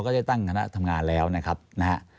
ก็จะตั้งต่างขนาดการทำงานแล้วนะครับนะ่า